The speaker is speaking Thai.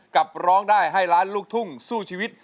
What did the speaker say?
ร้องได้ให้ล้านลูกทุ่งสู้ชีวิต